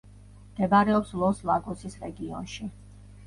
მდებარეობს ლოს-ლაგოსის რეგიონში.